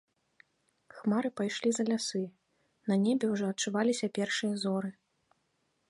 Хмары пайшлі за лясы, на небе ўжо адчуваліся першыя зоры.